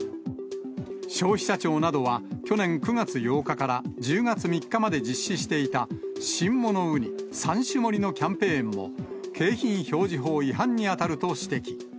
消費者庁などは、去年９月８日から１０月３日まで実施していた新物うに３種盛りのキャンペーンも景品表示法違反に当たると指摘。